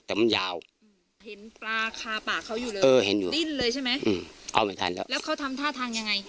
เห็นอยู่ดิ้นเลยใช่ไหมอืมเอาไม่ทันแล้วแล้วเขาทำท่าทางยังไง